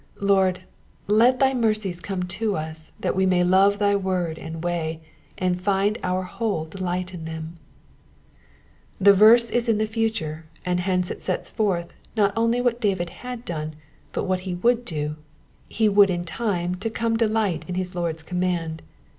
Lord, let thy mercies come to us that we may love thy word and way, and find our whole delight therein. The verse is in the future, and hence it sets forth, not only what David had done, but what he would do ; he would in time to come delight in his Lord's command.